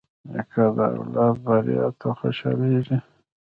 نیکه د اولاد بریا ته خوشحالېږي.